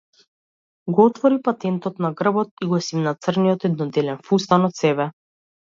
Го отвори патентот на грбот и го симна црниот едноделен фустан од себе.